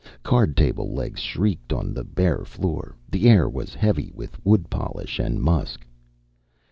Card table legs skreeked on the bare floor; the air was heavy with wood polish and musk.